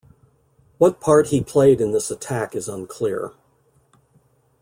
What part he played in this attack is unclear.